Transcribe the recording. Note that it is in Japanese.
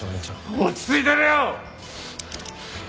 落ち着いてるよ！